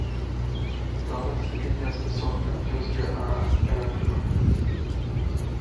Davlat stipendiyasini soxta imtiyozga aylantirmang!